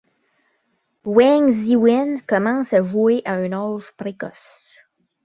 Wang Zhiwen commence à jouer à un âge précoce.